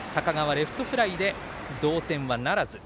レフトフライで同点ならず。